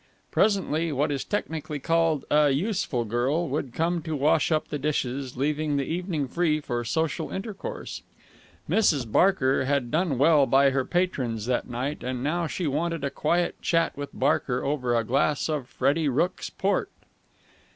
Presently what is technically called a "useful girl" would come in to wash up the dishes, leaving the evening free for social intercourse. Mrs. Barker had done well by her patrons that night, and now she wanted a quiet chat with Barker over a glass of Freddie Rooke's port.